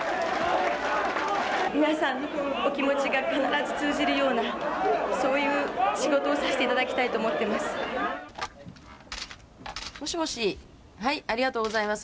皆さんのお気持ちが必ず通じるような、そういう仕事をさせていただきたいと思っています。